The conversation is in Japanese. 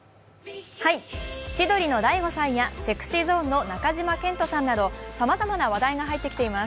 千鳥の大悟さんやＳｅｘｙＺｏｎｅの中島健人さんなどさまざまな話題が入ってきています。